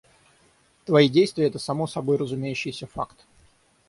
Твои действия это само собой разумеющийся факт.